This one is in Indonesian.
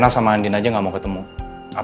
terus nyalah menjerit musb jadi menggelap